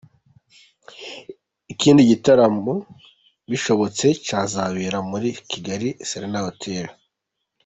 Ikindi gitaramo bishobotse cyazabera muri Kigali Serena Hotel.